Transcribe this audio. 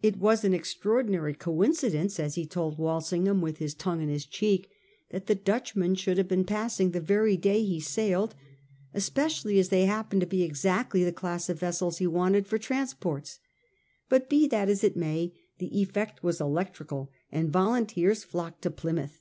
It was an extra ordinary coincidence, as he told "Walsingham with his tongue in his cheek, that the Dutchmen should have been passing the very day he sailed, especially as they happened to be exactly the class of vessels he wanted for transports ; but be that as it may, the effect was electrical and volunteers flocked to Plymouth.